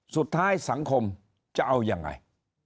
สุดท้ายสังคมจะเอายังไง